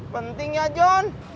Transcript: penting ya john